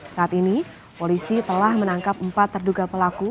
saat ini polisi telah menangkap empat terduga pelaku